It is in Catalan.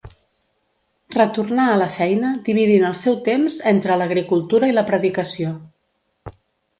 Retornà a la feina dividint el seu temps entre l'agricultura i la predicació.